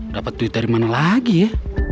dapet tweet dari mana lagi ya